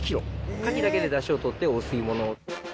カキだけでだしをとってお吸い物。